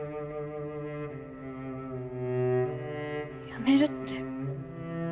辞めるって。